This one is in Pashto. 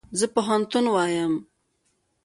زه پوهنتون وایم